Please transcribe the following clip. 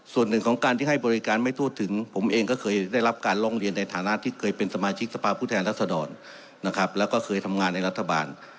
ส่วนหนึ่งของการที่ให้บริการไม่ทั่วถึงผมเองก็เคยได้รับการร้องเรียนในฐานะที่เคยเป็นสมาชิกสภาพผู้แทนรัศดรนะครับแล้วก็เคยทำงานในรัฐบาล